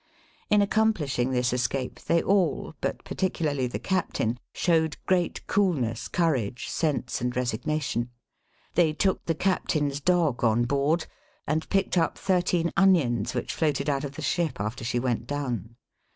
In accom plishing this escape, they all, but particularly the captain, showed great coolness, courage, sense, and resignation. They took the cap tain's dog on board, and picked up thirteen onions which floated out of the ship, after she went down.